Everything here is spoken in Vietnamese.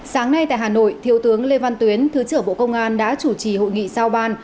sáng nay tại hà nội thiếu tướng lê văn tuyến thứ trưởng bộ công an đã chủ trì hội nghị sao ban